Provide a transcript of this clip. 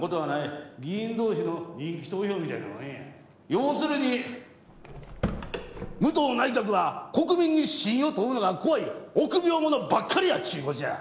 要するに武藤内閣は国民に信を問うのが怖い臆病者ばっかりやっちゅう事や。